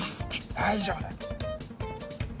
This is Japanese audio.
大丈夫だ。